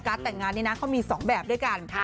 การ์ดแต่งงานนี้นะเขามีสองแบบด้วยกัน